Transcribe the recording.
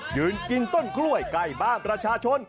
ยืนกินต้นคร้วยไกลบ้างราชาชน